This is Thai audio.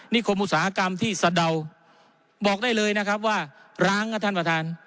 คมอุตสาหกรรมที่สะเดาบอกได้เลยนะครับว่าร้างครับท่านประธาน